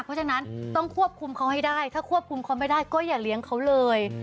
เพราะฉะนั้นต้องควบคุมเขาให้ได้ถ้าควบคุมเขาไม่ได้ก็อย่าเลี้ยงเขาเลย